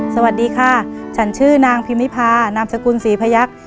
สวัสดีค่ะฉันชื่อนางพิมิพานามสกุลศรีพยักษ์